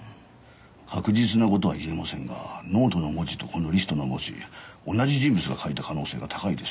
確実な事は言えませんがノートの文字とこのリストの文字同じ人物が書いた可能性が高いですね。